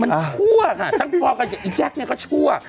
มันชั่วค่ะทั้งพอกันกับอีแจ๊คเนี่ยก็ชั่ว